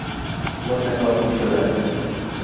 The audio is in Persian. متکافی شدن